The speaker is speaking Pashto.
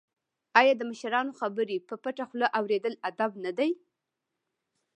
آیا د مشرانو خبرې په پټه خوله اوریدل ادب نه دی؟